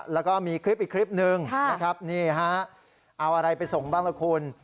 แล้วก็มีคลิปอีกคลิปหนึ่งเอาอะไรไปส่งบ้างละคุณ